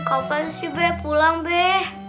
kau pengen pulang be